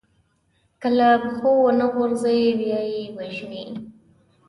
که له پښو ونه غورځي، بیا يې وژني.